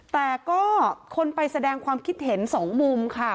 แต่ก็คนไปแสดงความคิดเห็นสองมุมค่ะ